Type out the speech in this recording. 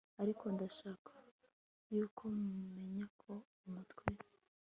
Ariko ndashaka yuko mumenya ko umutwe